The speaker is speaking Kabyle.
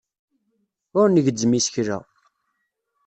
Ur ngezzem isekla.